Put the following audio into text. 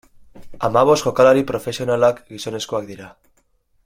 Hamabost jokalari profesionalak gizonezkoak dira.